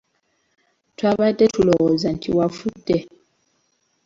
Twabadde tulowooza nti wafudde!